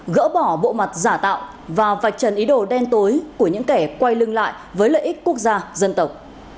gỡ bỏ bộ mặt giả tạo và vạch trần ý đồ đen tối của những kẻ quay lưng lại với lợi ích quốc gia dân tộc